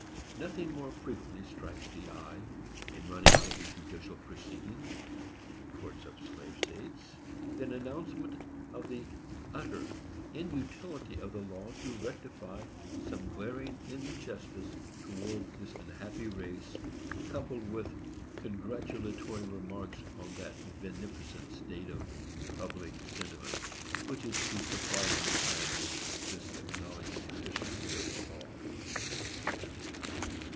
Nothing more frequently strikes the eye, in running over judicial proceedings in the courts of slave states, than announcements of the utter inutility of the law to rectify some glaring injustice towards this unhappy race, coupled with congratulatory remarks on that beneficent state of public sentiment which is to supply entirely this acknowledged deficiency of the law.